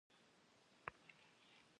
De dığuase gêktaripş' dvaş, vue dapşe bvar?